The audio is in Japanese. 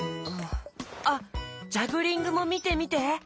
あっジャグリングもみてみて。